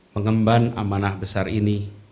pengemban amanah besar ini